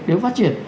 để phát triển